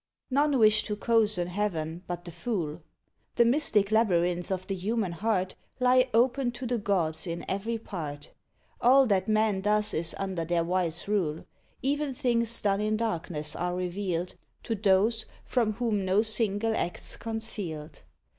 None wish to cozen heaven but the fool; The mystic labyrinths of the human heart Lie open to the gods in every part: All that man does is under their wise rule, Even things done in darkness are revealed To those from whom no single act's concealed.